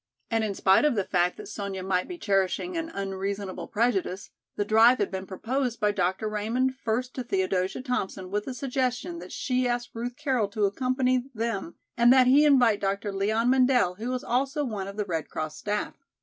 And in spite of the fact that Sonya might be cherishing an unreasonable prejudice, the drive had been proposed by Dr. Raymond first to Theodosia Thompson with the suggestion that she ask Ruth Carroll to accompany them and that he invite Dr. Leon Mendel who was also one of the Red Cross staff.